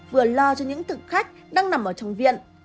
vừa lo cho những thực khách đang nằm ở trong viện